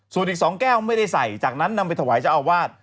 ส่วนอีก๒แก้วไม่ได้ใส่จากนั้นนำไปถวายเจ้าอาวาส